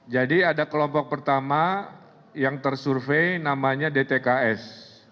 jadi ada kelompok pertama yang tersurvey namanya dtks